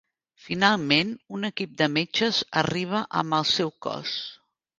Finalment, un equip de metges arriba amb el seu cos.